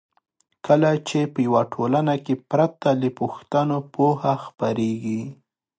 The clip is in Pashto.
کله چې په یوه ټولنه کې پرته له پوښتنو پوهه خپریږي.